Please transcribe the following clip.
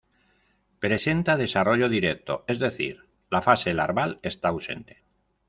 Presenta desarrollo directo, es decir, la fase larval está ausente.